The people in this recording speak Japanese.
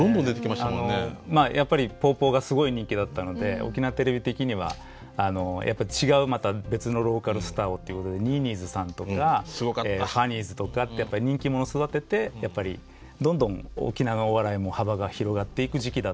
まあやっぱり「ポーポー」がすごい人気だったので沖縄テレビ的にはやっぱ違うまた別のローカルスターをってことでニーニーズさんとかファニーズとかって人気者育ててやっぱりどんどん沖縄のお笑いも幅が広がっていく時期だったと思いますね。